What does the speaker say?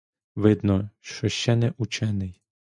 Видно, що ще не учений.